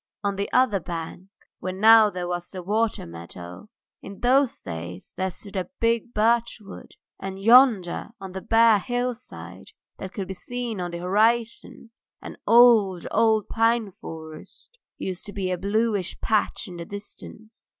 On the other bank, where now there was the water meadow, in those days there stood a big birchwood, and yonder on the bare hillside that could be seen on the horizon an old, old pine forest used to be a bluish patch in the distance.